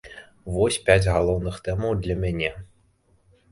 Вось пяць галоўных тэмаў для мяне.